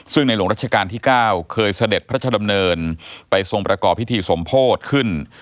ซึ่งในหลวงรัชกาลที่๙เคยเสด็จพระชดำเนินไปทรงประกอบพิธีสมโพธิขึ้น